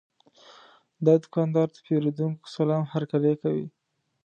دا دوکاندار د پیرودونکو سلام هرکلی کوي.